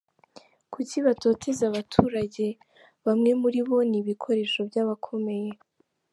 "Kuki batoteza abaturage? Bamwe muri bo n’ ibikoresho by’ abakomeye.